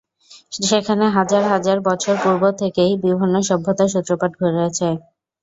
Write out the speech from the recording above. সেখানে হাজার হাজার বছর পূর্ব থেকেই বিভিন্ন সভ্যতার সূত্রপাত ঘটেছে।